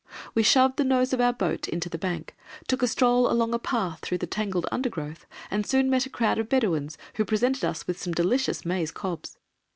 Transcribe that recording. We shoved the nose of our boat into the bank, took a stroll along a path through the tangled undergrowth, and soon met a crowd of Bedouins who presented us with some delicious maize cobs.